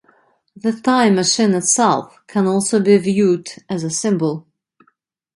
The time machine itself can also be viewed as a symbol.